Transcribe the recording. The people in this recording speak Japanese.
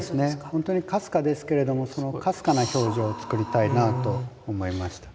本当にかすかですけれどもそのかすかな表情を作りたいなぁと思いました。